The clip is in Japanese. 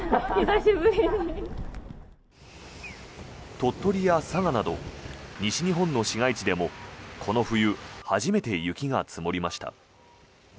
鳥取や佐賀など西日本の市街地でもこの冬初めて雪が積もりました。